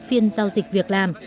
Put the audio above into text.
phiên giao dịch việc làm